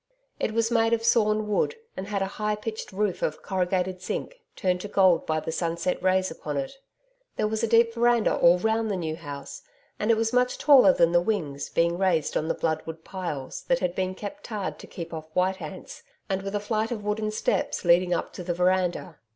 It was made of sawn wood and had a high pitched roof of corrugated zinc, turned to gold by the sunset rays upon it. There was a deep veranda all round the New House, and it was much taller than the wings, being raised on blood wood piles, that had been tarred to keep off white ants, and with a flight of wooden steps leading up to the veranda.